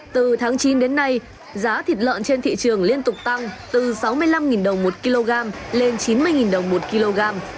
từ tháng chín đến nay giá thịt lợn trên thị trường liên tục tăng từ sáu mươi năm đồng một kg lên chín mươi đồng một kg